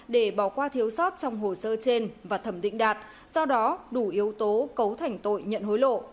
để bỏ qua thiếu sót trong hồ sơ trên và thẩm định đạt do đó đủ yếu tố cấu thành tội nhận hối lộ